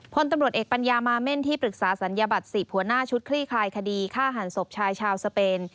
พลตำรวจเอกปัญญามาเม่นที่ปรึกษาศัลยบัตร๑๐หัวหน้าชุดคลี่คลายคดีฆ่าหันศพชายชาวสเปน